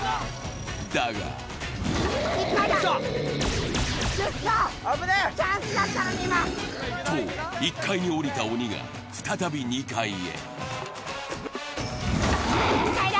だがと、１階に降りた鬼が再び２階へ。